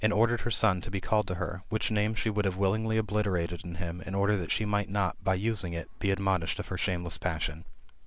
171 ordered her son to be called to her, which name she would have willingly obliterated in him, in order that she might not, by using it, be admt)nished of her shameless passion.